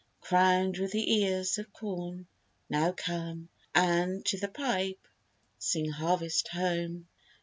Crown'd with the ears of corn, now come, And, to the pipe, sing Harvest Home.